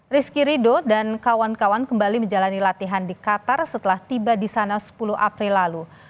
rizky rido dan kawan kawan kembali menjalani latihan di qatar setelah tiba di sana sepuluh april lalu